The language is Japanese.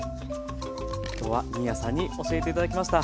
今日は新谷さんに教えて頂きました。